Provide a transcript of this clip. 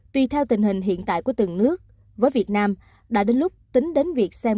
tùy theo tình hình hiện tại của từng nước với việt nam đã đến lúc tính đến việc xem